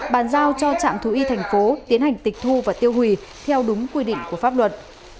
bàn giao cho trạm thú y thành phố tiến hành tịch thu và tiêu hủy theo đúng quy định của pháp luật